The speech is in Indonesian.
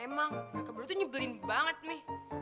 emang mereka baru tuh nyebelin banget mi